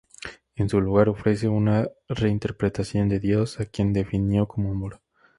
En su lugar, ofrece una reinterpretación de Dios, a quien definió como amor.